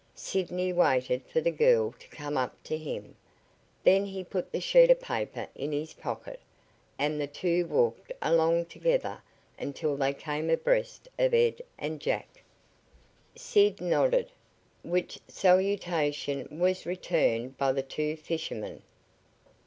Sidney waited for the girl to come up to him. Then he put the sheet of paper in his pocket, and the two walked along together until they came abreast of Ed and Jack. Sid nodded, which salutation was returned by the two fishermen.